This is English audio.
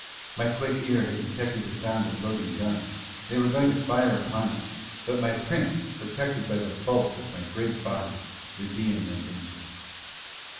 My quick ear had detected the sound of loading guns they were going to fire upon us; but my Prince, protected by the bulk of my great body would be in no danger.